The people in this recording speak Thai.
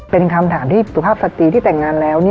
เป็นคำถามที่สุภาพสตรีที่แต่งงานแล้ว